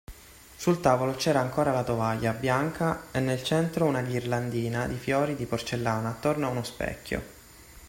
Sul tavolo c'era ancora la tovaglia bianca e nel centro una ghirlandina di fiori di porcellana attorno a uno specchio.